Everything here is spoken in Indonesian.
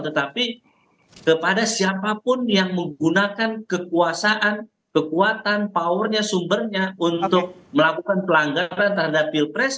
tetapi kepada siapapun yang menggunakan kekuasaan kekuatan powernya sumbernya untuk melakukan pelanggaran terhadap pilpres